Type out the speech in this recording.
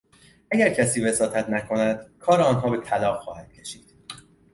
اگر کسی وساطت نکند کار آنها به طلاق خواهد کشید.